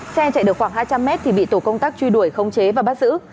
xe chạy được khoảng hai trăm linh mét thì bị tổ công tác truy đuổi khống chế và bắt giữ